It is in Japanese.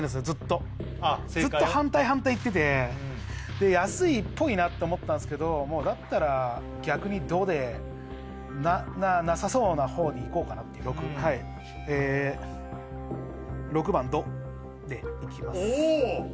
ずっとずっと反対反対いってて「安」っぽいなって思ったんすけどもうだったら逆に「ド」でなさそうな方にいこうかなって６はいえー６番「ド」でいきますおお！